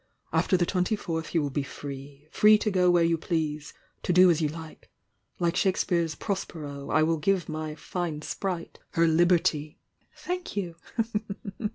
After the twenty fourth you will be free. Free to go where you please— to do as you like. Like Shakespeare's 'Prospero,' I will give my 'fine sprite' her liberty!" "Thank you!"